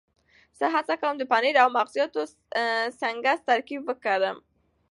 زه هڅه کوم د پنیر او مغزیاتو سنکس ترکیب وکړم.